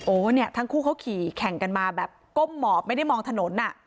เนี่ยทั้งคู่เขาขี่แข่งกันมาแบบก้มหมอบไม่ได้มองถนนอ่ะ